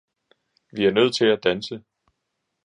Vi er nødt til at danse